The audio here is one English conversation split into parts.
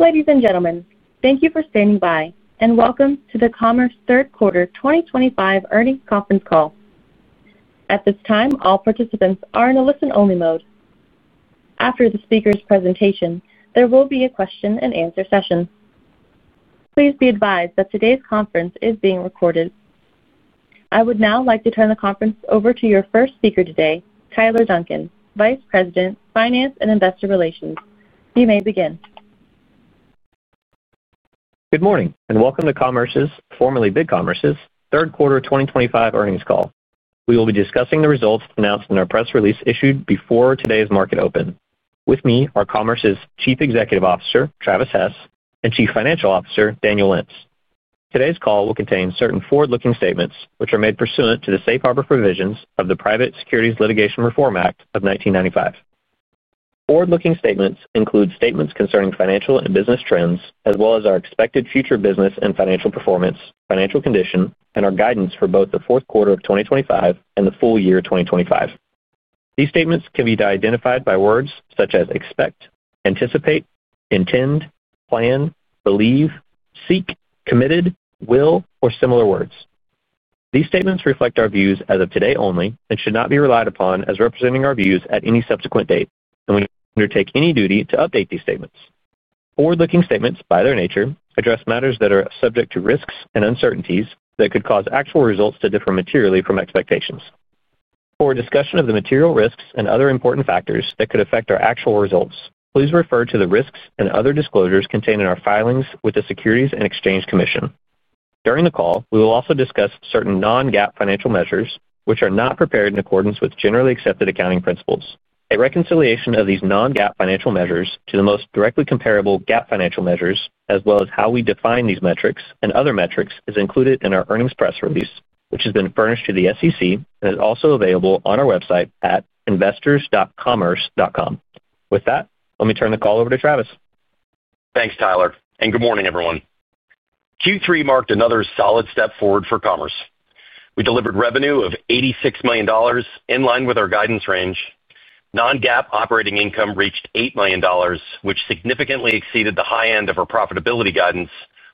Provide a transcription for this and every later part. Ladies and gentlemen, thank you for standing by, and welcome to the Commerce Third Quarter 2025 Earnings Conference Call. At this time, all participants are in a listen-only mode. After the speaker's presentation, there will be a question-and-answer session. Please be advised that today's conference is being recorded. I would now like to turn the conference over to your first speaker today, Tyler Duncan, Vice President, Finance and Investor Relations. You may begin. Good morning, and welcome to Commerce's, formerly BigCommerce's, Third Quarter 2025 Earnings Call. We will be discussing the results announced in our press release issued before today's market open. With me are Commerce's Chief Executive Officer, Travis Hess, and Chief Financial Officer, Daniel Lentz. Today's call will contain certain forward-looking statements, which are made pursuant to the safe harbor provisions of the Private Securities Litigation Reform Act of 1995. Forward-looking statements include statements concerning financial and business trends, as well as our expected future business and financial performance, financial condition, and our guidance for both the fourth quarter of 2025 and the full year 2025. These statements can be identified by words such as expect, anticipate, intend, plan, believe, seek, committed, will, or similar words. These statements reflect our views as of today only and should not be relied upon as representing our views at any subsequent date, and we undertake any duty to update these statements. Forward-looking statements, by their nature, address matters that are subject to risks and uncertainties that could cause actual results to differ materially from expectations. For discussion of the material risks and other important factors that could affect our actual results, please refer to the risks and other disclosures contained in our filings with the Securities and Exchange Commission. During the call, we will also discuss certain non-GAAP financial measures, which are not prepared in accordance with generally accepted accounting principles. A reconciliation of these non-GAAP financial measures to the most directly comparable GAAP financial measures, as well as how we define these metrics and other metrics, is included in our earnings press release, which has been furnished to the SEC and is also available on our website at investors.commerce.com. With that, let me turn the call over to Travis. Thanks, Tyler, and good morning, everyone. Q3 marked another solid step forward for Commerce. We delivered revenue of $86 million in line with our guidance range. Non-GAAP operating income reached $8 million, which significantly exceeded the high end of our profitability guidance,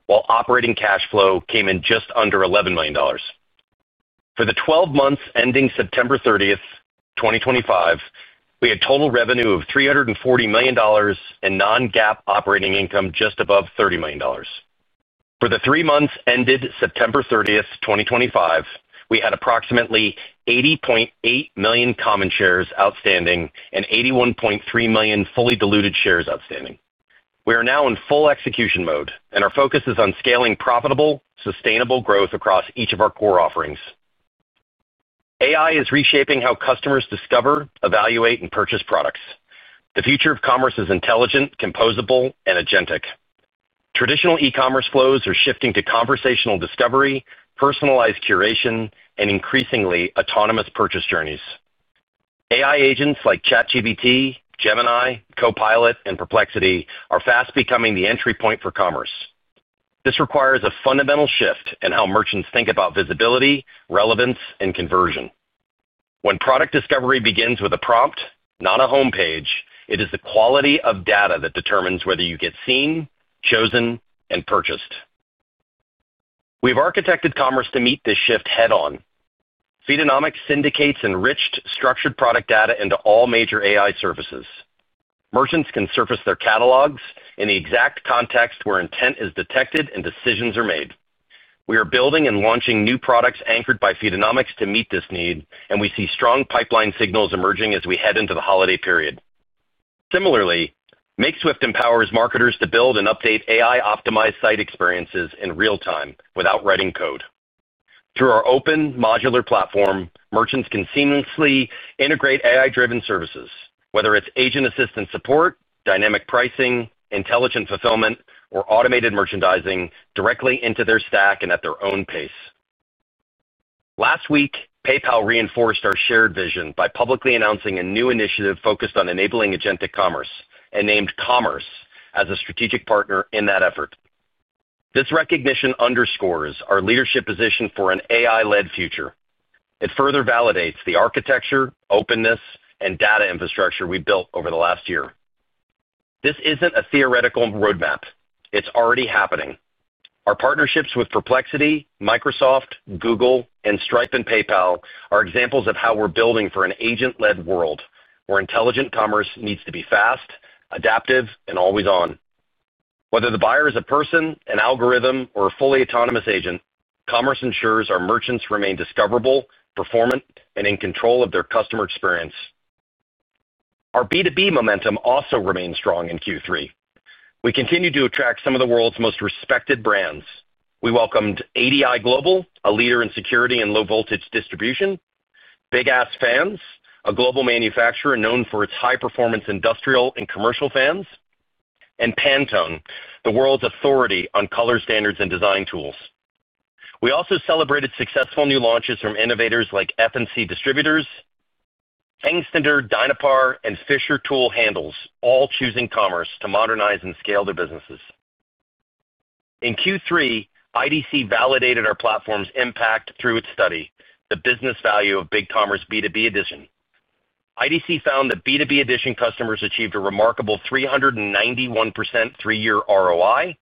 while operating cash flow came in just under $11 million. For the 12 months ending September 30th, 2025, we had total revenue of $340 million and non-GAAP operating income just above $30 million. For the three months ended September 30th, 2025, we had approximately 80.8 million common shares outstanding and 81.3 million fully diluted shares outstanding. We are now in full execution mode, and our focus is on scaling profitable, sustainable growth across each of our core offerings. AI is reshaping how customers discover, evaluate, and purchase products. The future of commerce is intelligent, composable, and agentic. Traditional e-commerce flows are shifting to conversational discovery, personalized curation, and increasingly autonomous purchase journeys. AI agents like ChatGPT, Gemini, Copilot, and Perplexity are fast becoming the entry point for commerce. This requires a fundamental shift in how merchants think about visibility, relevance, and conversion. When product discovery begins with a prompt, not a home page, it is the quality of data that determines whether you get seen, chosen, and purchased. We've architected Commerce to meet this shift head-on. Feedonomics syndicates enriched, structured product data into all major AI services. Merchants can surface their catalogs in the exact context where intent is detected and decisions are made. We are building and launching new products anchored by Feedonomics to meet this need, and we see strong pipeline signals emerging as we head into the holiday period. Similarly, Makeswift empowers marketers to build and update AI-optimized site experiences in real time without writing code. Through our open modular platform, merchants can seamlessly integrate AI-driven services, whether it's agent-assistance support, dynamic pricing, intelligent fulfillment, or automated merchandising, directly into their stack and at their own pace. Last week, PayPal reinforced our shared vision by publicly announcing a new initiative focused on enabling agentic commerce and named Commerce as a strategic partner in that effort. This recognition underscores our leadership position for an AI-led future. It further validates the architecture, openness, and data infrastructure we built over the last year. This isn't a theoretical roadmap. It's already happening. Our partnerships with Perplexity, Microsoft, Google, Stripe, and PayPal are examples of how we're building for an agent-led world where intelligent commerce needs to be fast, adaptive, and always on. Whether the buyer is a person, an algorithm, or a fully autonomous agent, Commerce ensures our merchants remain discoverable, performant, and in control of their customer experience. Our B2B momentum also remains strong in Q3. We continue to attract some of the world's most respected brands. We welcomed ADI Global, a leader in security and low-voltage distribution, Big Ass Fans, a global manufacturer known for its high-performance industrial and commercial fans, and Pantone, the world's authority on color standards and design tools. We also celebrated successful new launches from innovators like F&C Distributors, Hengst, Dynapar, and Fisher's Tools & Handles, all choosing Commerce to modernize and scale their businesses. In Q3, IDC validated our platform's impact through its study, the business value of BigCommerce B2B Edition. IDC found that B2B Edition customers achieved a remarkable 391% three-year ROI,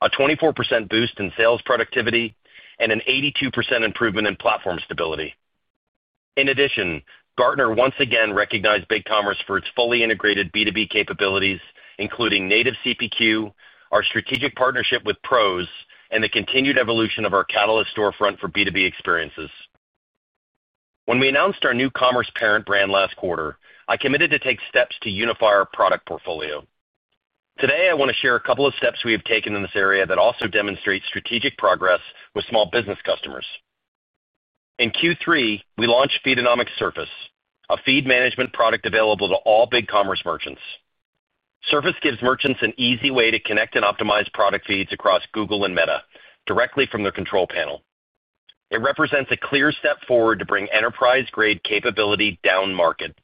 a 24% boost in sales productivity, and an 82% improvement in platform stability. In addition, Gartner once again recognized BigCommerce for its fully integrated B2B capabilities, including native CPQ, our strategic partnership with PROS, and the continued evolution of our Catalyst storefront for B2B experiences. When we announced our new Commerce parent brand last quarter, I committed to take steps to unify our product portfolio. Today, I want to share a couple of steps we have taken in this area that also demonstrate strategic progress with small business customers. In Q3, we launched Feedonomics Surface, a feed management product available to all BigCommerce merchants. Surface gives merchants an easy way to connect and optimize product feeds across Google and Meta directly from their control panel. It represents a clear step forward to bring enterprise-grade capability down market.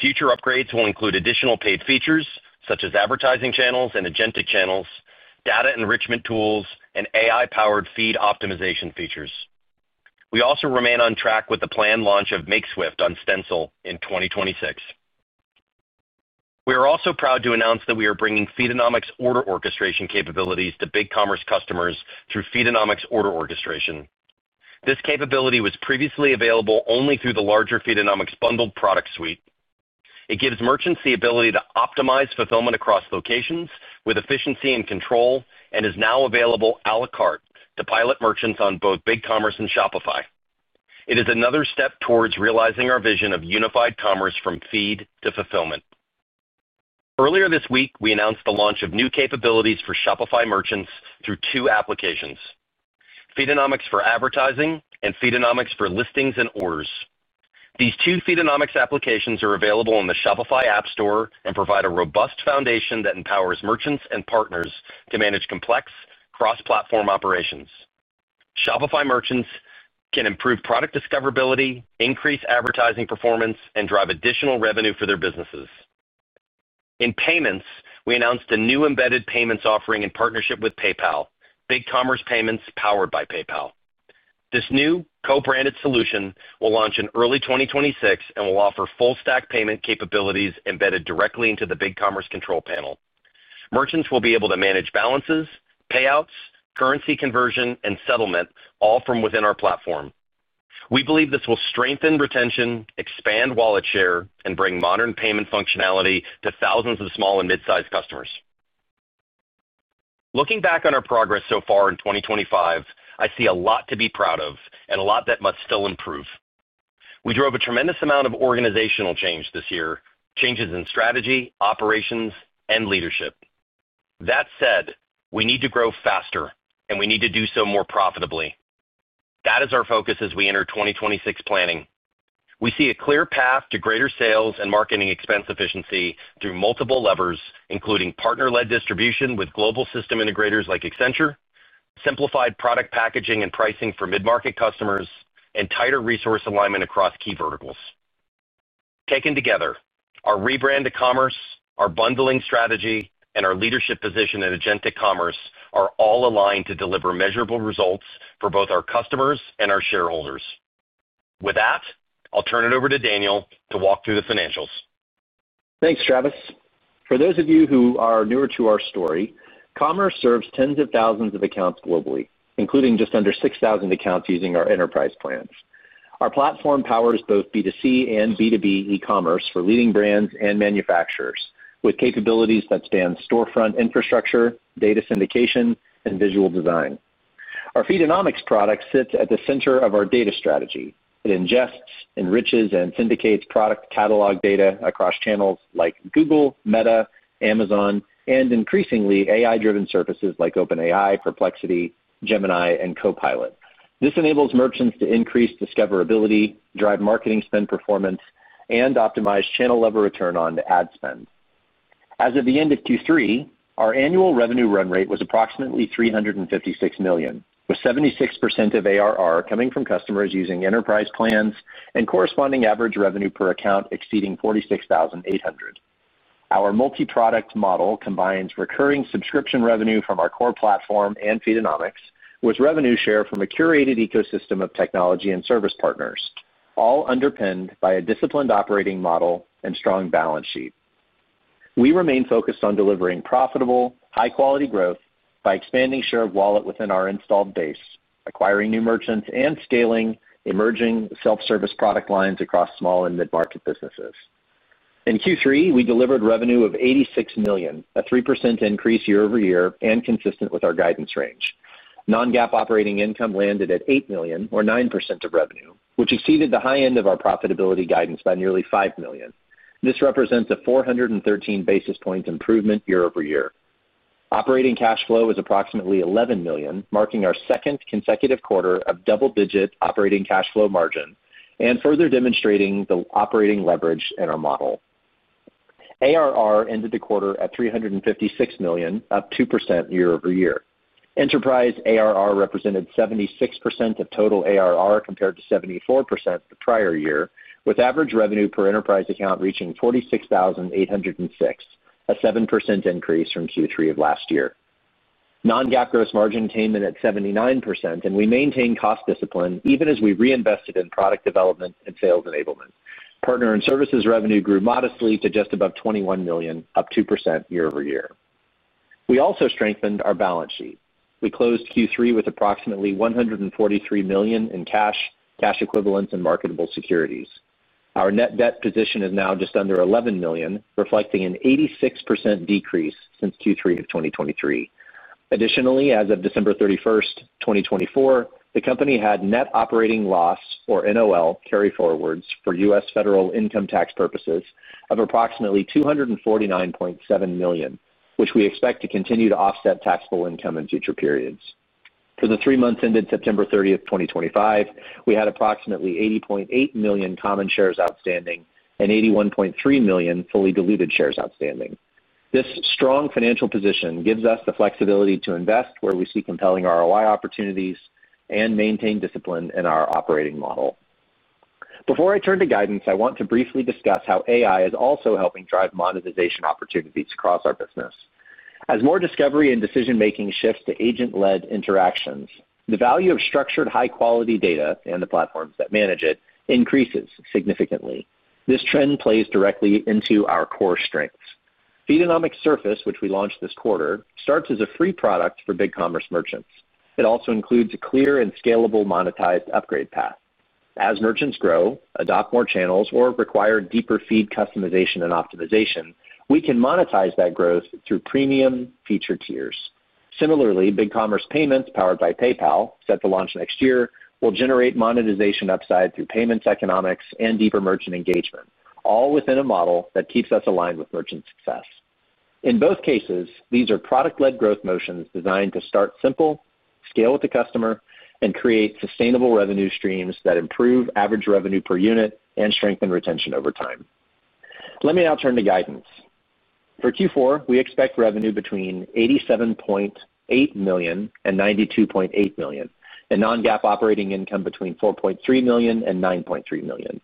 Future upgrades will include additional paid features such as advertising channels and agentic channels, data enrichment tools, and AI-powered feed optimization features. We also remain on track with the planned launch of Makeswift on Stencil in 2026. We are also proud to announce that we are bringing Feedonomics order orchestration capabilities to BigCommerce customers through Feedonomics order orchestration. This capability was previously available only through the larger Feedonomics bundled product suite. It gives merchants the ability to optimize fulfillment across locations with efficiency and control and is now available à la carte to pilot merchants on both BigCommerce and Shopify. It is another step towards realizing our vision of unified commerce from feed to fulfillment. Earlier this week, we announced the launch of new capabilities for Shopify merchants through two applications: Feedonomics for Advertising and Feedonomics for Listings and Orders. These two Feedonomics applications are available in the Shopify App Store and provide a robust foundation that empowers merchants and partners to manage complex, cross-platform operations. Shopify merchants can improve product discoverability, increase advertising performance, and drive additional revenue for their businesses. In payments, we announced a new embedded payments offering in partnership with PayPal: BigCommerce Payments powered by PayPal. This new co-branded solution will launch in early 2026 and will offer full-stack payment capabilities embedded directly into the BigCommerce control panel. Merchants will be able to manage balances, payouts, currency conversion, and settlement, all from within our platform. We believe this will strengthen retention, expand wallet share, and bring modern payment functionality to thousands of small and mid-sized customers. Looking back on our progress so far in 2025, I see a lot to be proud of and a lot that must still improve. We drove a tremendous amount of organizational change this year: changes in strategy, operations, and leadership. That said, we need to grow faster, and we need to do so more profitably. That is our focus as we enter 2026 planning. We see a clear path to greater sales and marketing expense efficiency through multiple levers, including partner-led distribution with global system integrators like Accenture, simplified product packaging and pricing for mid-market customers, and tighter resource alignment across key verticals. Taken together, our rebrand to Commerce, our bundling strategy, and our leadership position in agentic commerce are all aligned to deliver measurable results for both our customers and our shareholders. With that, I'll turn it over to Daniel to walk through the financials. Thanks, Travis. For those of you who are newer to our story, Commerce serves tens of thousands of accounts globally, including just under 6,000 accounts using our enterprise plans. Our platform powers both B2C and B2B e-commerce for leading brands and manufacturers, with capabilities that span storefront infrastructure, data syndication, and visual design. Our Feedonomics product sits at the center of our data strategy. It ingests, enriches, and syndicates product catalog data across channels like Google, Meta, Amazon, and increasingly AI-driven services like OpenAI, Perplexity, Gemini, and Copilot. This enables merchants to increase discoverability, drive marketing spend performance, and optimize channel-level return on ad spend. As of the end of Q3, our annual revenue run rate was approximately $356 million, with 76% of ARR coming from customers using enterprise plans and corresponding average revenue per account exceeding $46,800. Our multi-product model combines recurring subscription revenue from our core platform and Feedonomics with revenue share from a curated ecosystem of technology and service partners, all underpinned by a disciplined operating model and strong balance sheet. We remain focused on delivering profitable, high-quality growth by expanding share of wallet within our installed base, acquiring new merchants, and scaling emerging self-service product lines across small and mid-market businesses. In Q3, we delivered revenue of $86 million, a 3% increase year-over-year and consistent with our guidance range. Non-GAAP operating income landed at $8 million, or 9% of revenue, which exceeded the high end of our profitability guidance by nearly $5 million. This represents a 413 basis points improvement year-over-year. Operating cash flow is approximately $11 million, marking our second consecutive quarter of double-digit operating cash flow margin and further demonstrating the operating leverage in our model. ARR ended the quarter at $356 million, up 2% year-over-year. Enterprise ARR represented 76% of total ARR compared to 74% the prior year, with average revenue per enterprise account reaching $46,806, a 7% increase from Q3 of last year. Non-GAAP gross margin attained at 79%, and we maintained cost discipline even as we reinvested in product development and sales enablement. Partner and services revenue grew modestly to just above $21 million, up 2% year-over-year. We also strengthened our balance sheet. We closed Q3 with approximately $143 million in cash, cash equivalents, and marketable securities. Our net debt position is now just under $11 million, reflecting an 86% decrease since Q3 of 2023. Additionally, as of December 31, 2024, the company had net operating loss, or NOL, carry forwards for U.S. federal income tax purposes of approximately $249.7 million, which we expect to continue to offset taxable income in future periods. For the three months ended September 30th, 2025, we had approximately $80.8 million common shares outstanding and $81.3 million fully diluted shares outstanding. This strong financial position gives us the flexibility to invest where we see compelling ROI opportunities and maintain discipline in our operating model. Before I turn to guidance, I want to briefly discuss how AI is also helping drive monetization opportunities across our business. As more discovery and decision-making shifts to agent-led interactions, the value of structured, high-quality data and the platforms that manage it increases significantly. This trend plays directly into our core strengths. Feedonomics Surface, which we launched this quarter, starts as a free product for BigCommerce merchants. It also includes a clear and scalable monetized upgrade path. As merchants grow, adopt more channels, or require deeper feed customization and optimization, we can monetize that growth through premium feature tiers. Similarly, BigCommerce Payments powered by PayPal, set to launch next year, will generate monetization upside through payments economics and deeper merchant engagement, all within a model that keeps us aligned with merchant success. In both cases, these are product-led growth motions designed to start simple, scale with the customer, and create sustainable revenue streams that improve average revenue per unit and strengthen retention over time. Let me now turn to guidance. For Q4, we expect revenue between $87.8 million and $92.8 million and non-GAAP operating income between $4.3 million and $9.3 million.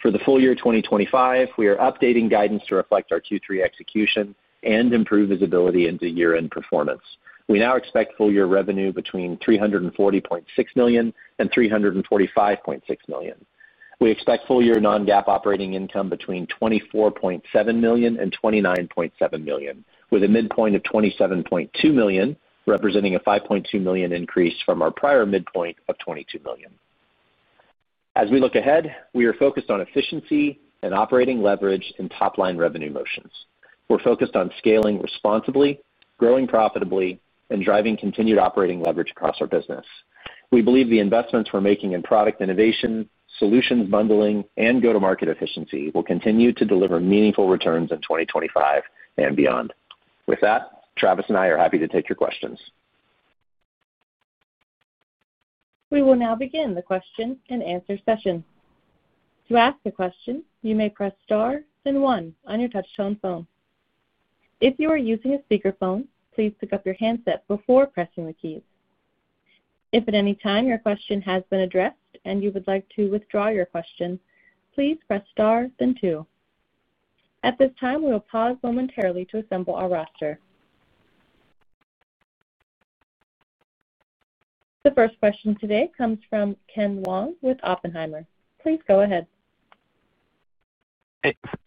For the full year 2025, we are updating guidance to reflect our Q3 execution and improve visibility into year-end performance. We now expect full year revenue between $340.6 million and $345.6 million. We expect full year non-GAAP operating income between $24.7 million and $29.7 million, with a midpoint of $27.2 million representing a $5.2 million increase from our prior midpoint of $22 million. As we look ahead, we are focused on efficiency and operating leverage in top-line revenue motions. We're focused on scaling responsibly, growing profitably, and driving continued operating leverage across our business. We believe the investments we're making in product innovation, solutions bundling, and go-to-market efficiency will continue to deliver meaningful returns in 2025 and beyond. With that, Travis and I are happy to take your questions. We will now begin the question and answer session. To ask a question, you may press star then one on your touch-tone phone. If you are using a speakerphone, please pick up your handset before pressing the keys. If at any time your question has been addressed and you would like to withdraw your question, please press star then two. At this time, we will pause momentarily to assemble our roster. The first question today comes from Ken Wong with Oppenheimer. Please go ahead.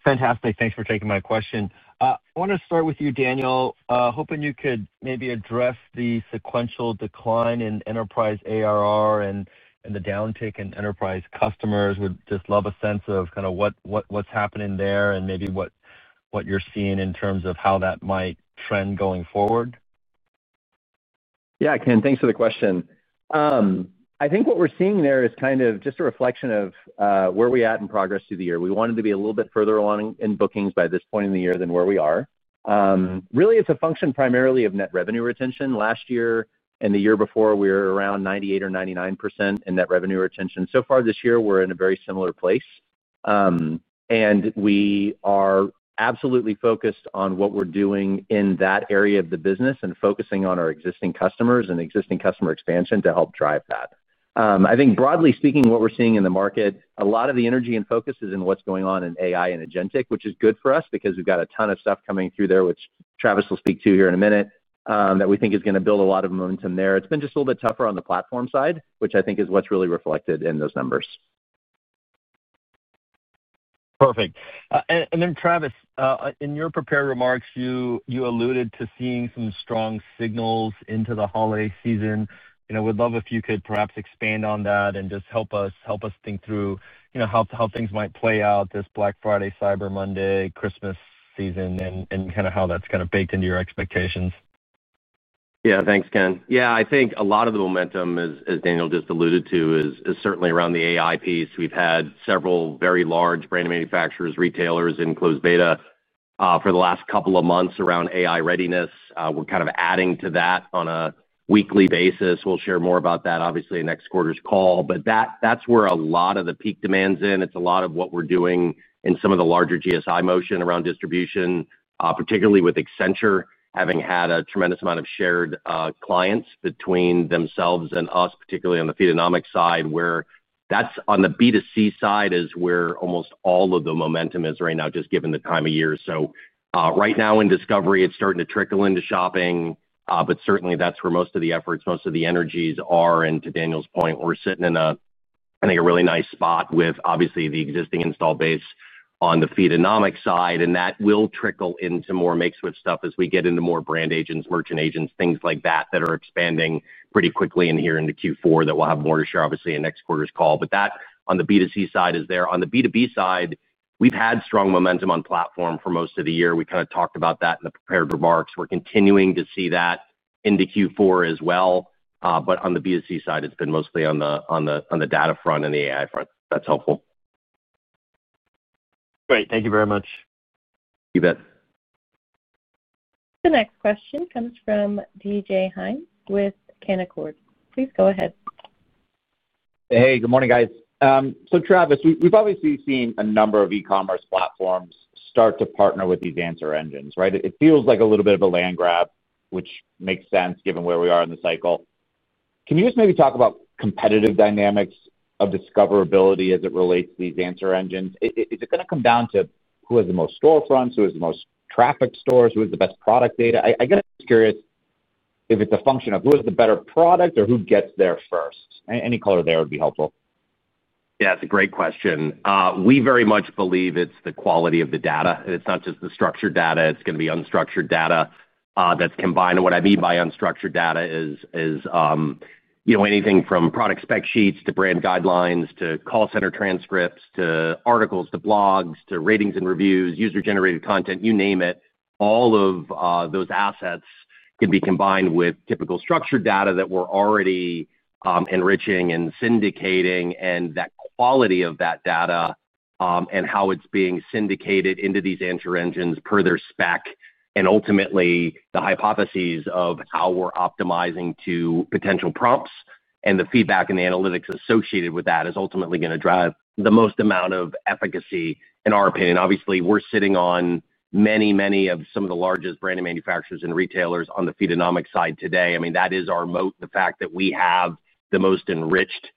Fantastic. Thanks for taking my question. I want to start with you, Daniel. Hoping you could maybe address the sequential decline in enterprise ARR and the downtick in enterprise customers. Would just love a sense of kind of what's happening there and maybe what you're seeing in terms of how that might trend going forward. Yeah, Ken, thanks for the question. I think what we're seeing there is kind of just a reflection of where we are at in progress through the year. We wanted to be a little bit further along in bookings by this point in the year than where we are. Really, it's a function primarily of net revenue retention. Last year and the year before, we were around 98% or 99% in net revenue retention. So far this year, we're in a very similar place. We are absolutely focused on what we're doing in that area of the business and focusing on our existing customers and existing customer expansion to help drive that. I think broadly speaking, what we're seeing in the market, a lot of the energy and focus is in what's going on in AI and agentic, which is good for us because we've got a ton of stuff coming through there, which Travis will speak to here in a minute, that we think is going to build a lot of momentum there. It's been just a little bit tougher on the platform side, which I think is what's really reflected in those numbers. Perfect. Travis, in your prepared remarks, you alluded to seeing some strong signals into the holiday season. We'd love if you could perhaps expand on that and just help us think through how things might play out this Black Friday, Cyber Monday, Christmas season, and kind of how that's kind of baked into your expectations. Yeah, thanks, Ken. Yeah, I think a lot of the momentum, as Daniel just alluded to, is certainly around the AI piece. We've had several very large brand manufacturers, retailers in closed beta for the last couple of months around AI readiness. We're kind of adding to that on a weekly basis. We'll share more about that, obviously, in next quarter's call. That is where a lot of the peak demand's in. It's a lot of what we're doing in some of the larger GSI motion around distribution, particularly with Accenture having had a tremendous amount of shared clients between themselves and us, particularly on the Feedonomics side, where that is on the B2C side is where almost all of the momentum is right now, just given the time of year. Right now in discovery, it's starting to trickle into shopping. Certainly, that's where most of the efforts, most of the energies are. To Daniel's point, we're sitting in a, I think, a really nice spot with, obviously, the existing install base on the Feedonomics side. That will trickle into more Makeswift stuff as we get into more brand agents, merchant agents, things like that that are expanding pretty quickly in here into Q4. We'll have more to share, obviously, in next quarter's call. That on the B2C side is there. On the B2B side, we've had strong momentum on platform for most of the year. We kind of talked about that in the prepared remarks. We're continuing to see that into Q4 as well. On the B2C side, it's been mostly on the data front and the AI front. That's helpful. Great. Thank you very much. You bet. The next question comes from D. J. Hynes with Canaccord. Please go ahead. Hey, good morning, guys. Travis, we've obviously seen a number of e-commerce platforms start to partner with these answer engines, right? It feels like a little bit of a land grab, which makes sense given where we are in the cycle. Can you just maybe talk about competitive dynamics of discoverability as it relates to these answer engines? Is it going to come down to who has the most storefronts, who has the most traffic stores, who has the best product data? I guess I'm curious if it's a function of who has the better product or who gets there first. Any color there would be helpful. Yeah, that's a great question. We very much believe it's the quality of the data. It's not just the structured data. It's going to be unstructured data that's combined. What I mean by unstructured data is anything from product spec sheets to brand guidelines to call center transcripts to articles to blogs to ratings and reviews, user-generated content, you name it. All of those assets can be combined with typical structured data that we're already enriching and syndicating, and that quality of that data and how it's being syndicated into these answer engines per their spec, and ultimately the hypotheses of how we're optimizing to potential prompts and the feedback and the analytics associated with that is ultimately going to drive the most amount of efficacy, in our opinion. Obviously, we're sitting on many, many of some of the largest brand manufacturers and retailers on the Feedonomics side today. I mean, that is our moat, the fact that we have the most enriched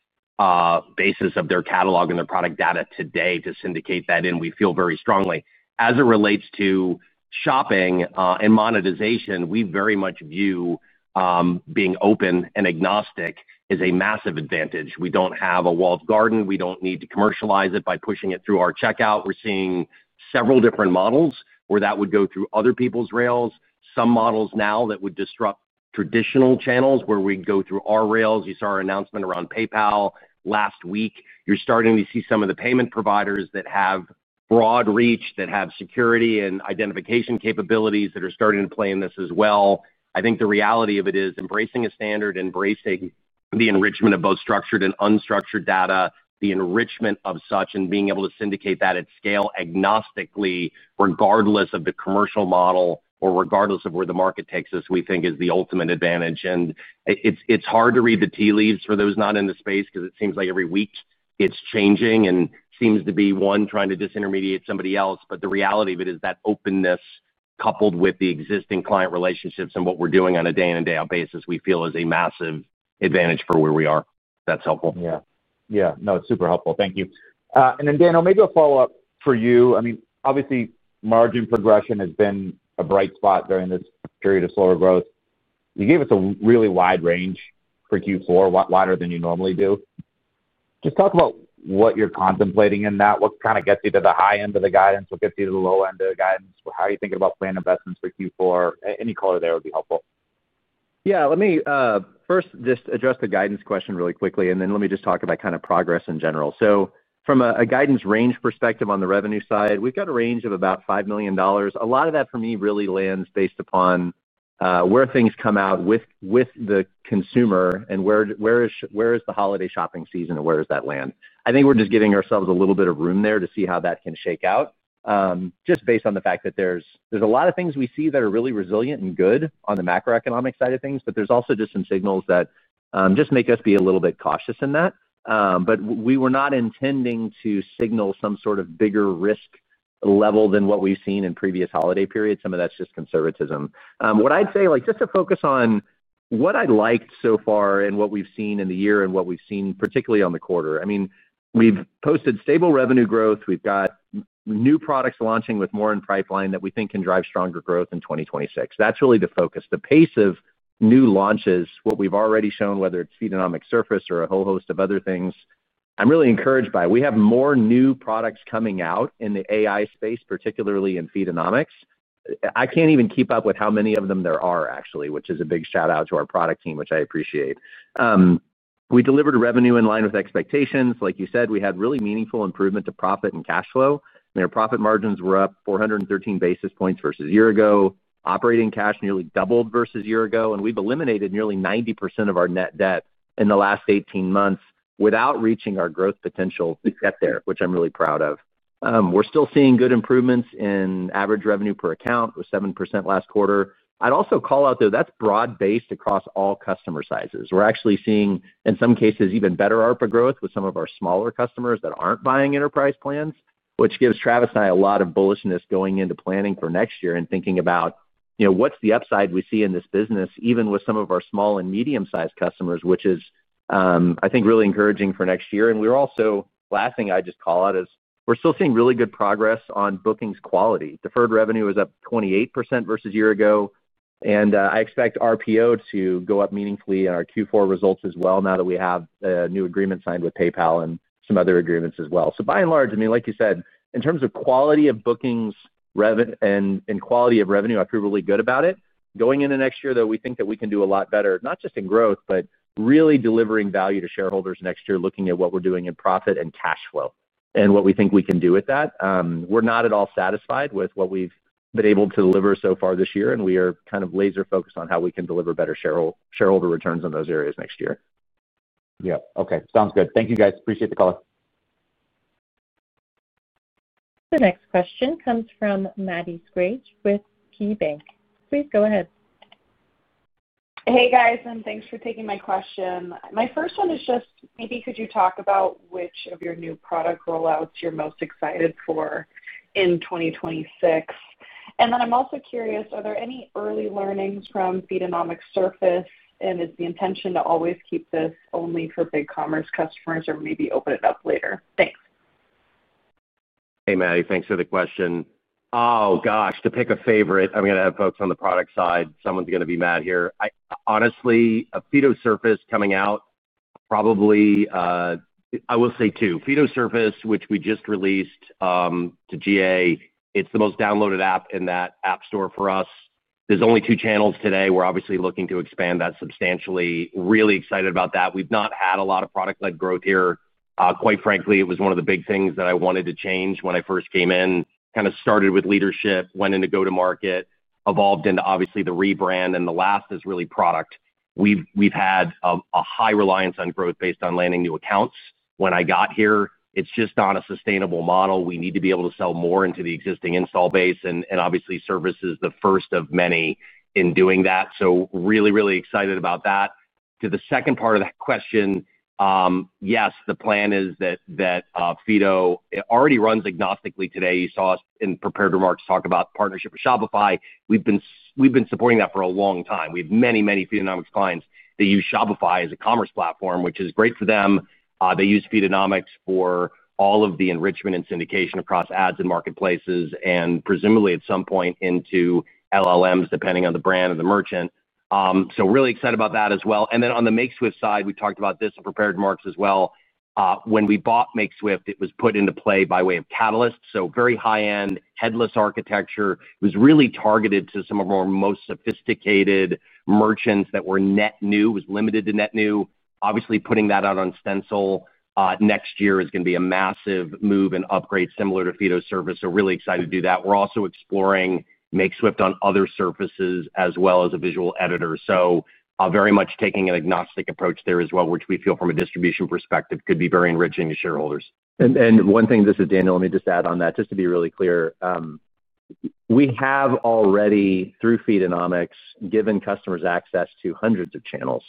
basis of their catalog and their product data today to syndicate that in. We feel very strongly. As it relates to shopping and monetization, we very much view being open and agnostic as a massive advantage. We do not have a walled garden. We do not need to commercialize it by pushing it through our checkout. We are seeing several different models where that would go through other people's rails. Some models now that would disrupt traditional channels where we would go through our rails. You saw our announcement around PayPal last week. You are starting to see some of the payment providers that have broad reach, that have security and identification capabilities that are starting to play in this as well. I think the reality of it is embracing a standard, embracing the enrichment of both structured and unstructured data, the enrichment of such, and being able to syndicate that at scale agnostically, regardless of the commercial model or regardless of where the market takes us, we think is the ultimate advantage. It is hard to read the tea leaves for those not in the space because it seems like every week it is changing and seems to be one trying to disintermediate somebody else. The reality of it is that openness coupled with the existing client relationships and what we are doing on a day-in and day-out basis, we feel is a massive advantage for where we are. That is helpful. Yeah. Yeah. No, it's super helpful. Thank you. And then, Daniel, maybe a follow-up for you. I mean, obviously, margin progression has been a bright spot during this period of slower growth. You gave us a really wide range for Q4, wider than you normally do. Just talk about what you're contemplating in that. What kind of gets you to the high end of the guidance? What gets you to the low end of the guidance? How are you thinking about plan investments for Q4? Any color there would be helpful. Yeah. Let me first just address the guidance question really quickly, and then let me just talk about kind of progress in general. From a guidance range perspective on the revenue side, we've got a range of about $5 million. A lot of that for me really lands based upon where things come out with the consumer and where is the holiday shopping season and where does that land. I think we're just giving ourselves a little bit of room there to see how that can shake out. Just based on the fact that there's a lot of things we see that are really resilient and good on the macroeconomic side of things, but there's also just some signals that just make us be a little bit cautious in that. We were not intending to signal some sort of bigger risk level than what we've seen in previous holiday periods. Some of that's just conservatism. What I'd say, just to focus on what I liked so far and what we've seen in the year and what we've seen, particularly on the quarter. I mean, we've posted stable revenue growth. We've got new products launching with more in pipeline that we think can drive stronger growth in 2026. That's really the focus. The pace of new launches, what we've already shown, whether it's Feedonomics Surface or a whole host of other things, I'm really encouraged by. We have more new products coming out in the AI space, particularly in Feedonomics. I can't even keep up with how many of them there are, actually, which is a big shout-out to our product team, which I appreciate. We delivered revenue in line with expectations. Like you said, we had really meaningful improvement to profit and cash flow. I mean, our profit margins were up 413 basis points versus a year ago. Operating cash nearly doubled versus a year ago. We've eliminated nearly 90% of our net debt in the last 18 months without reaching our growth potential to get there, which I'm really proud of. We're still seeing good improvements in average revenue per account with 7% last quarter. I'd also call out, though, that's broad-based across all customer sizes. We're actually seeing, in some cases, even better ARPA growth with some of our smaller customers that aren't buying enterprise plans, which gives Travis and I a lot of bullishness going into planning for next year and thinking about. What's the upside we see in this business, even with some of our small and medium-sized customers, which is. I think really encouraging for next year. We're also, last thing I just call out is we're still seeing really good progress on bookings quality. Deferred revenue is up 28% versus a year ago. I expect RPO to go up meaningfully in our Q4 results as well now that we have a new agreement signed with PayPal and some other agreements as well. By and large, I mean, like you said, in terms of quality of bookings and quality of revenue, I feel really good about it. Going into next year, though, we think that we can do a lot better, not just in growth, but really delivering value to shareholders next year, looking at what we're doing in profit and cash flow and what we think we can do with that. We're not at all satisfied with what we've been able to deliver so far this year, and we are kind of laser-focused on how we can deliver better shareholder returns in those areas next year. Yeah. Okay. Sounds good. Thank you, guys. Appreciate the call. The next question comes from Maddie Schrage with KeyBanc. Please go ahead. Hey, guys, and thanks for taking my question. My first one is just maybe could you talk about which of your new product rollouts you're most excited for in 2026? I am also curious, are there any early learnings from Feedonomics Surface, and is the intention to always keep this only for BigCommerce customers or maybe open it up later? Thanks. Hey, Maddie. Thanks for the question. Oh, gosh, to pick a favorite, I'm going to have folks on the product side. Someone's going to be mad here. Honestly, Feedo Surface coming out. Probably. I will say two. Feedo Surface, which we just released to GA, it's the most downloaded app in that app store for us. There's only two channels today. We're obviously looking to expand that substantially. Really excited about that. We've not had a lot of product-led growth here. Quite frankly, it was one of the big things that I wanted to change when I first came in, kind of started with leadership, went into go-to-market, evolved into obviously the rebrand, and the last is really product. We've had a high reliance on growth based on landing new accounts. When I got here, it's just not a sustainable model. We need to be able to sell more into the existing install base. Obviously, Service is the first of many in doing that. Really, really excited about that. To the second part of that question, yes, the plan is that. Feedo, it already runs agnostically today. You saw us in prepared remarks talk about the partnership with Shopify. We've been supporting that for a long time. We have many, many Feedonomics clients that use Shopify as a commerce platform, which is great for them. They use Feedonomics for all of the enrichment and syndication across ads and marketplaces and presumably at some point into LLMs, depending on the brand and the merchant. Really excited about that as well. On the Makeswift side, we talked about this in prepared remarks as well. When we bought Makeswift, it was put into play by way of Catalyst. Very high-end, headless architecture. It was really targeted to some of our most sophisticated merchants that were net new, was limited to net new. Obviously, putting that out on Stencil next year is going to be a massive move and upgrade similar to Feedo Surface. Really excited to do that. We're also exploring Makeswift on other surfaces as well as a visual editor. Very much taking an agnostic approach there as well, which we feel from a distribution perspective could be very enriching to shareholders. One thing, this is Daniel, let me just add on that. Just to be really clear. We have already through Feedonomics given customers access to hundreds of channels.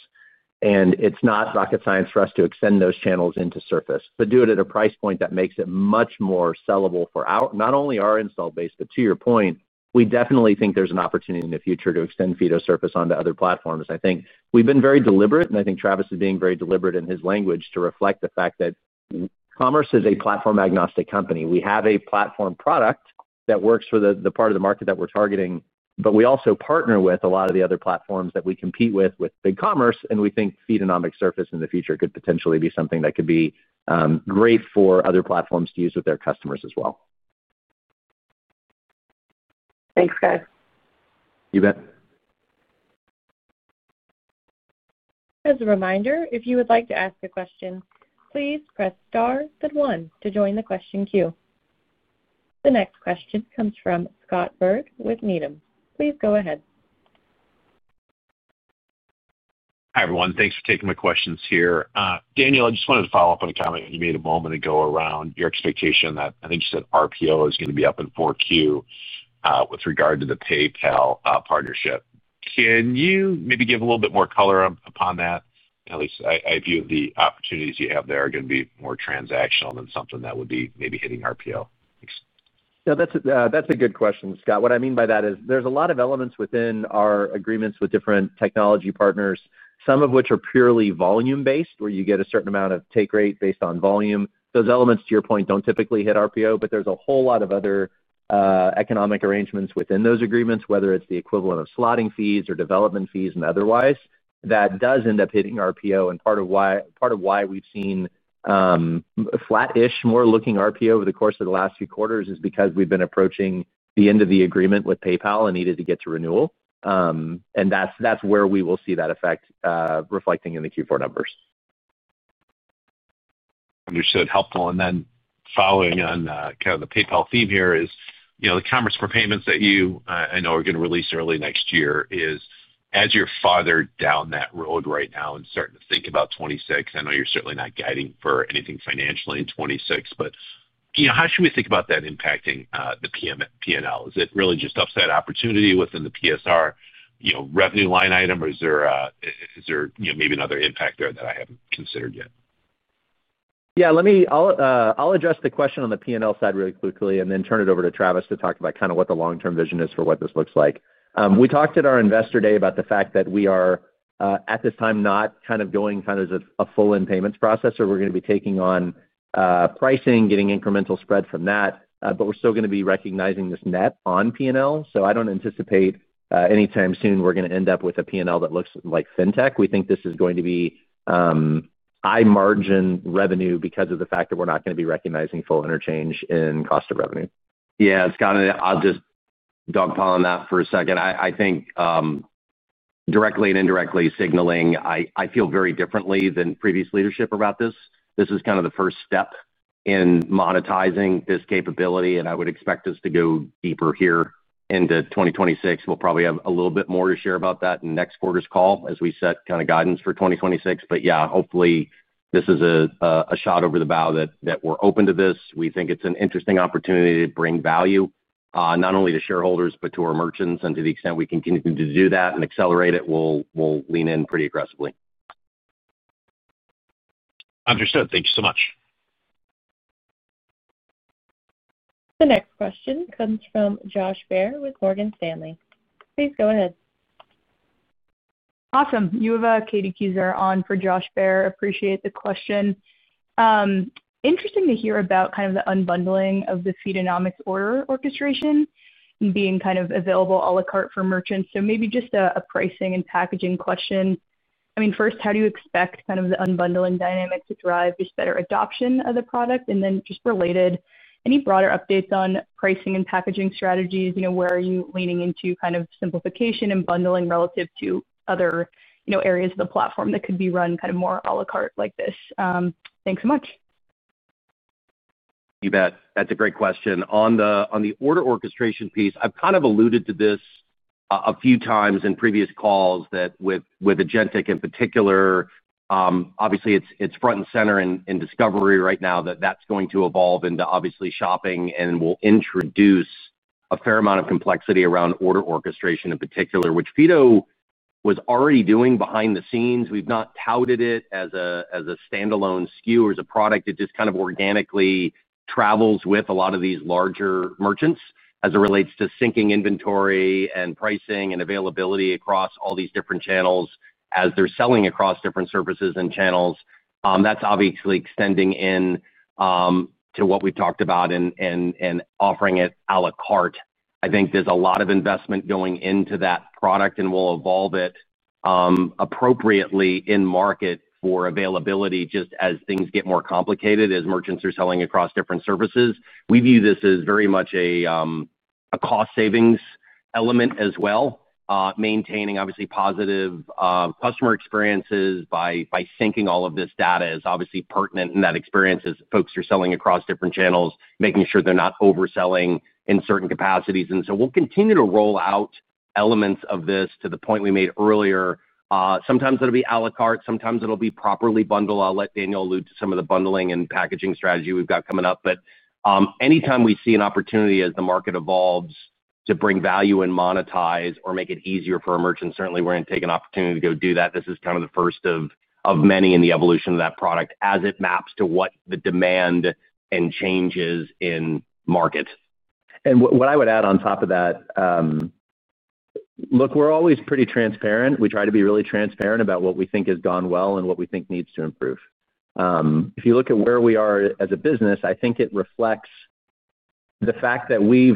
It is not rocket science for us to extend those channels into Surface, but do it at a price point that makes it much more sellable for not only our install base, but to your point, we definitely think there is an opportunity in the future to extend Feedo Surface onto other platforms. I think we have been very deliberate, and I think Travis is being very deliberate in his language to reflect the fact that Commerce is a platform-agnostic company. We have a platform product that works for the part of the market that we're targeting, but we also partner with a lot of the other platforms that we compete with, with BigCommerce, and we think Feedonomics Surface in the future could potentially be something that could be great for other platforms to use with their customers as well. Thanks, guys. You bet. As a reminder, if you would like to ask a question, please press star then one to join the question queue. The next question comes from Scott Berg with Needham. Please go ahead. Hi everyone. Thanks for taking my questions here. Daniel, I just wanted to follow up on a comment you made a moment ago around your expectation that I think you said RPO is going to be up in Q4. With regard to the PayPal partnership, can you maybe give a little bit more color upon that? At least I view the opportunities you have there are going to be more transactional than something that would be maybe hitting RPO. Yeah, that's a good question, Scott. What I mean by that is there's a lot of elements within our agreements with different technology partners, some of which are purely volume-based, where you get a certain amount of take rate based on volume. Those elements, to your point, don't typically hit RPO, but there's a whole lot of other economic arrangements within those agreements, whether it's the equivalent of slotting fees or development fees and otherwise, that does end up hitting RPO. Part of why we've seen flat-ish more looking RPO over the course of the last few quarters is because we've been approaching the end of the agreement with PayPal and needed to get to renewal. That's where we will see that effect reflecting in the Q4 numbers. Understood. Helpful. Then following on kind of the PayPal theme here, is the Commerce for Payments that you, I know, are going to release early next year, as you're farther down that road right now and starting to think about 2026. I know you're certainly not guiding for anything financially in 2026, but how should we think about that impacting the P&L? Is it really just upside opportunity within the PSR revenue line item, or is there maybe another impact there that I haven't considered yet? Yeah. I'll address the question on the P&L side really quickly and then turn it over to Travis to talk about kind of what the long-term vision is for what this looks like. We talked at our investor day about the fact that we are at this time not kind of going kind of as a full-in payments process, or we're going to be taking on pricing, getting incremental spread from that, but we're still going to be recognizing this net on P&L. I don't anticipate anytime soon we're going to end up with a P&L that looks like fintech. We think this is going to be high-margin revenue because of the fact that we're not going to be recognizing full interchange in cost of revenue. Yeah, Scott, I'll just dogpile on that for a second. I think directly and indirectly signaling, I feel very differently than previous leadership about this. This is kind of the first step in monetizing this capability, and I would expect us to go deeper here into 2026. We'll probably have a little bit more to share about that in next quarter's call as we set kind of guidance for 2026. Yeah, hopefully this is a shot over the bow that we're open to this. We think it's an interesting opportunity to bring value not only to shareholders, but to our merchants. To the extent we can continue to do that and accelerate it, we'll lean in pretty aggressively. Understood. Thank you so much. The next question comes from Josh Baer with Morgan Stanley. Please go ahead. Awesome. You have Katie Keyser on for Josh Baer. Appreciate the question. Interesting to hear about kind of the unbundling of the Feedonomics order orchestration and being kind of available à la carte for merchants. Maybe just a pricing and packaging question. I mean, first, how do you expect kind of the unbundling dynamic to drive just better adoption of the product? Then just related, any broader updates on pricing and packaging strategies? Where are you leaning into kind of simplification and bundling relative to other areas of the platform that could be run kind of more à la carte like this? Thanks so much. You bet. That's a great question. On the order orchestration piece, I've kind of alluded to this a few times in previous calls that with agentic in particular. Obviously, it's front and center in discovery right now that that's going to evolve into obviously shopping and will introduce a fair amount of complexity around order orchestration in particular, which Feedo was already doing behind the scenes. We've not touted it as a standalone SKU or as a product. It just kind of organically travels with a lot of these larger merchants as it relates to syncing inventory and pricing and availability across all these different channels as they're selling across different services and channels. That's obviously extending in to what we've talked about and offering it à la carte. I think there's a lot of investment going into that product and we'll evolve it. Appropriately in market for availability just as things get more complicated as merchants are selling across different services. We view this as very much a cost-savings element as well. Maintaining obviously positive customer experiences by syncing all of this data is obviously pertinent in that experience as folks are selling across different channels, making sure they're not overselling in certain capacities. We will continue to roll out elements of this to the point we made earlier. Sometimes it'll be à la carte. Sometimes it'll be properly bundled. I'll let Daniel allude to some of the bundling and packaging strategy we've got coming up. Anytime we see an opportunity as the market evolves to bring value and monetize or make it easier for a merchant, certainly we're going to take an opportunity to go do that. This is kind of the first of many in the evolution of that product as it maps to what the demand and changes in market. What I would add on top of that. Look, we're always pretty transparent. We try to be really transparent about what we think has gone well and what we think needs to improve. If you look at where we are as a business, I think it reflects. The fact that we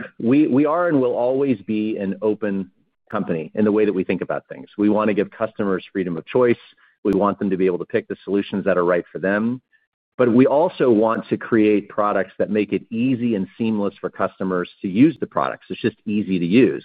are and will always be an open company in the way that we think about things. We want to give customers freedom of choice. We want them to be able to pick the solutions that are right for them. We also want to create products that make it easy and seamless for customers to use the products. It's just easy to use.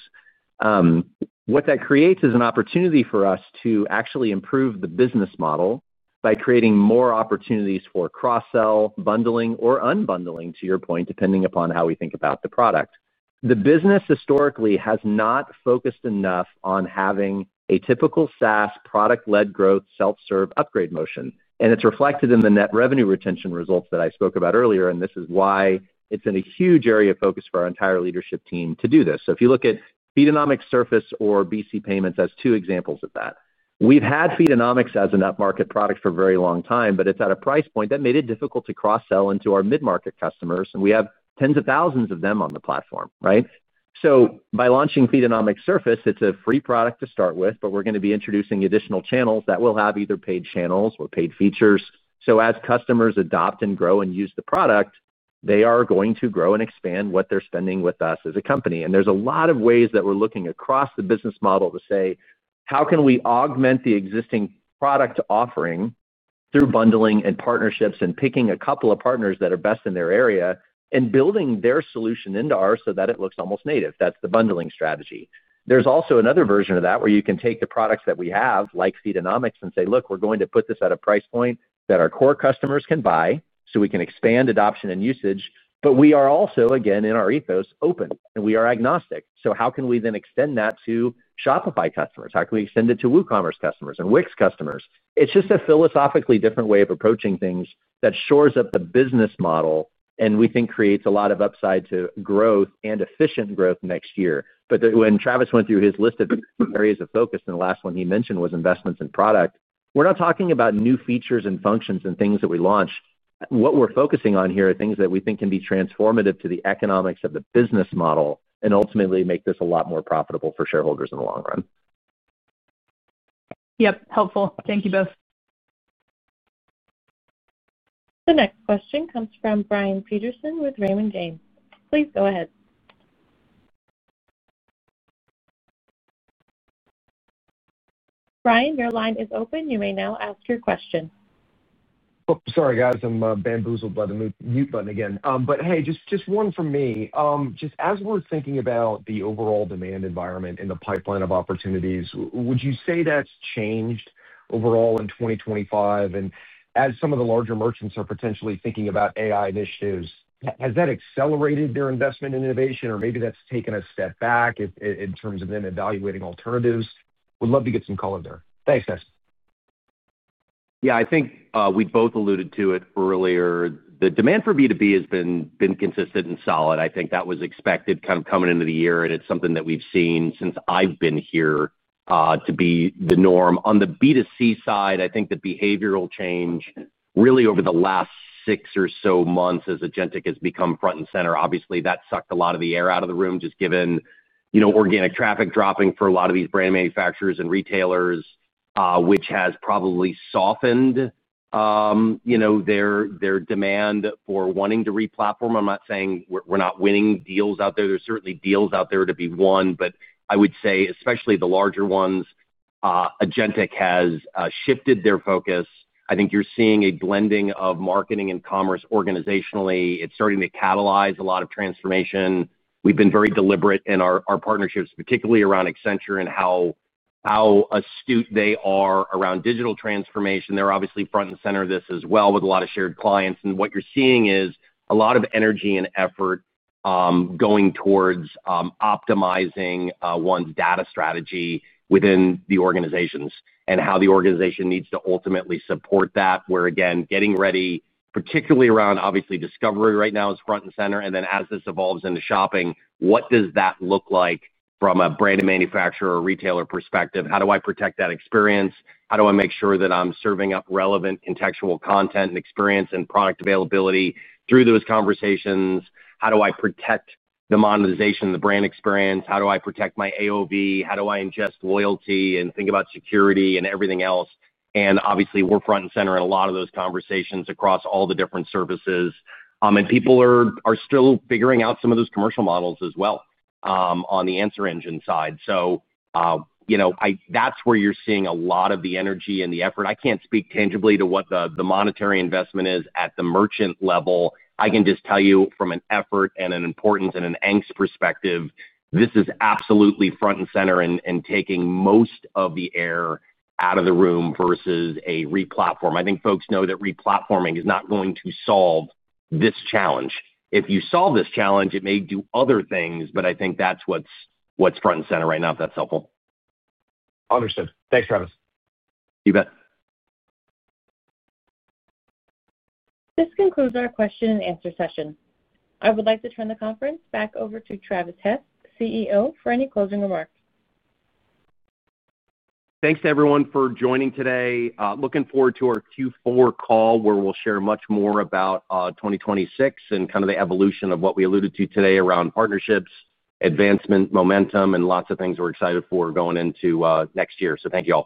What that creates is an opportunity for us to actually improve the business model by creating more opportunities for cross-sell, bundling, or unbundling, to your point, depending upon how we think about the product. The business historically has not focused enough on having a typical SaaS product-led growth self-serve upgrade motion. It is reflected in the net revenue retention results that I spoke about earlier. This is why it has been a huge area of focus for our entire leadership team to do this. If you look at Feedonomics Surface or BC Payments as two examples of that, we have had Feedonomics as an up-market product for a very long time, but it is at a price point that made it difficult to cross-sell into our mid-market customers. We have tens of thousands of them on the platform, right? By launching Feedonomics Surface, it is a free product to start with, but we are going to be introducing additional channels that will have either paid channels or paid features. As customers adopt and grow and use the product, they are going to grow and expand what they're spending with us as a company. There are a lot of ways that we're looking across the business model to say, how can we augment the existing product offering through bundling and partnerships and picking a couple of partners that are best in their area and building their solution into ours so that it looks almost native? That's the bundling strategy. There's also another version of that where you can take the products that we have, like Feedonomics, and say, look, we're going to put this at a price point that our core customers can buy so we can expand adoption and usage. We are also, again, in our ethos, open, and we are agnostic. How can we then extend that to Shopify customers? How can we extend it to WooCommerce customers and Wix customers? It is just a philosophically different way of approaching things that shores up the business model and we think creates a lot of upside to growth and efficient growth next year. When Travis went through his list of areas of focus, and the last one he mentioned was investments in product, we are not talking about new features and functions and things that we launch. What we are focusing on here are things that we think can be transformative to the economics of the business model and ultimately make this a lot more profitable for shareholders in the long run. Yep. Helpful. Thank you both. The next question comes from Brian Peterson with Raymond James. Please go ahead. Brian, your line is open. You may now ask your question. Oh, sorry, guys. I'm bamboozled by the mute button again. Hey, just one from me. Just as we're thinking about the overall demand environment and the pipeline of opportunities, would you say that's changed overall in 2025? As some of the larger merchants are potentially thinking about AI initiatives, has that accelerated their investment in innovation, or maybe that's taken a step back in terms of them evaluating alternatives? Would love to get some color there. Thanks, guys. Yeah, I think we both alluded to it earlier. The demand for B2B has been consistent and solid. I think that was expected kind of coming into the year, and it's something that we've seen since I've been here to be the norm. On the B2C side, I think the behavioral change really over the last six or so months as agentic has become front and center. Obviously, that sucked a lot of the air out of the room just given. Organic traffic dropping for a lot of these brand manufacturers and retailers, which has probably softened their demand for wanting to replatform. I'm not saying we're not winning deals out there. There's certainly deals out there to be won, but I would say especially the larger ones, agentic has shifted their focus. I think you're seeing a blending of marketing and commerce organizationally. It's starting to catalyze a lot of transformation. We've been very deliberate in our partnerships, particularly around Accenture and how astute they are around digital transformation. They're obviously front and center of this as well with a lot of shared clients. What you're seeing is a lot of energy and effort going towards optimizing one's data strategy within the organizations and how the organization needs to ultimately support that. Where again, getting ready, particularly around obviously discovery right now is front and center. As this evolves into shopping, what does that look like from a brand manufacturer or retailer perspective? How do I protect that experience? How do I make sure that I'm serving up relevant contextual content and experience and product availability through those conversations? How do I protect the monetization and the brand experience? How do I protect my AOV? How do I ingest loyalty and think about security and everything else? Obviously, we're front and center in a lot of those conversations across all the different services. People are still figuring out some of those commercial models as well on the answer engine side. That's where you're seeing a lot of the energy and the effort. I can't speak tangibly to what the monetary investment is at the merchant level. I can just tell you from an effort and an importance and an angst perspective, this is absolutely front and center in taking most of the air out of the room versus a replatform. I think folks know that replatforming is not going to solve this challenge. If you solve this challenge, it may do other things, but I think that's what's front and center right now, if that's helpful. Understood. Thanks, Travis. You bet. This concludes our question and answer session. I would like to turn the conference back over to Travis Hess, CEO, for any closing remarks. Thanks to everyone for joining today. Looking forward to our Q4 call where we'll share much more about 2026 and kind of the evolution of what we alluded to today around partnerships, advancement, momentum, and lots of things we're excited for going into next year. Thank you all.